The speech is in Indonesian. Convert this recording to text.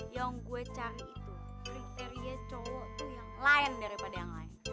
yang gue cari itu kriteria cowok yang lain daripada yang lain